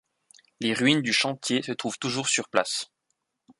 Les ruines du chantier se trouvent toujours sur place.